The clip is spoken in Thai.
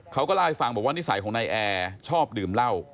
เขาก็เล่าให้ฟังบอกว่านิสัยของนายแอร์ชอบดื่มเหล้า